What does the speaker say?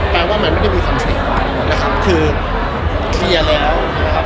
เค้าไม่รู้ว่าจะมา